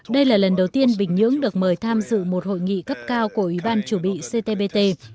đây là lần đầu tiên bình nhưỡng được mời tham dự một hội nghị cấp cao của ủy ban chủ bị ctbt